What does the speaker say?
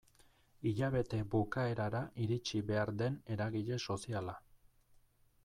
Hilabete bukaerara iritsi behar den eragile soziala.